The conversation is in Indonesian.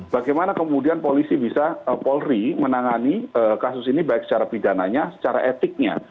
bagaimana kemudian polisi bisa polri menangani kasus ini baik secara pidananya secara etiknya